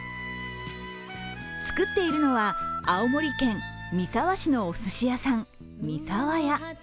作っているのは、青森県三沢市のおすし屋さん、三咲羽や。